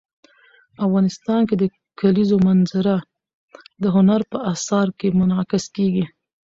افغانستان کې د کلیزو منظره د هنر په اثار کې منعکس کېږي.